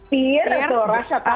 fear atau rasa